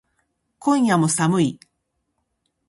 今夜も寒い